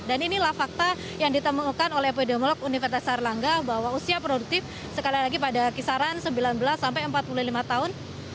dan inilah fakta yang ditemukan oleh epidemiolog universitas arlangga bahwa usia produktif sekali lagi pada kisaran sembilan belas sampai empat puluh lima tahun